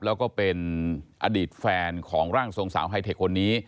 แล้วก็เป็นอดีตแฟนของร่างทรงสาวไฮเทคคนนี้